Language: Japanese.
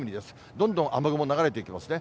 どんどん雨雲流れていきますね。